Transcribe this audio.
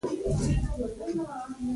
دایمي ستونزه را پیدا کوله.